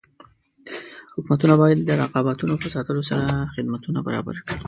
حکومتونه باید د رقابتونو په ساتلو سره خدمتونه برابر کړي.